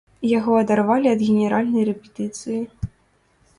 Яго адарвалі ад генеральнай рэпетыцыі.